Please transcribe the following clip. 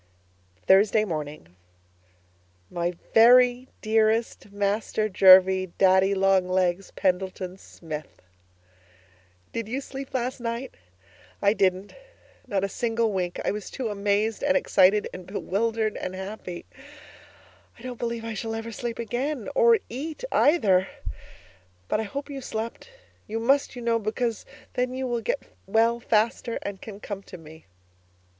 Thursday Morning My Very Dearest Master Jervie Daddy Long Legs Pendleton Smith, Did you sleep last night? I didn't. Not a single wink. I was too amazed and excited and bewildered and happy. I don't believe I ever shall sleep again or eat either. But I hope you slept; you must, you know, because then you will get well faster and can come to me.